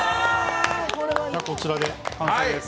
こちらで完成です。